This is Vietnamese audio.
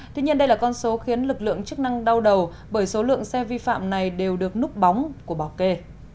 tuy nhiên đây là con số khiến lực lượng chức năng đau đầu bởi số lượng xe vi phạm này đều được núp bóng của bảo kê